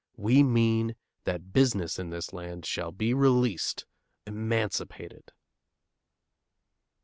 We mean that business in this land shall be released, emancipated.